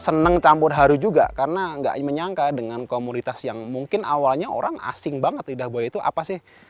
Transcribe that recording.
senang campur haru juga karena nggak menyangka dengan komoditas yang mungkin awalnya orang asing banget lidah buaya itu apa sih